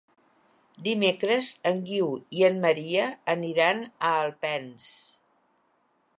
Dimecres en Guiu i en Maria aniran a Alpens.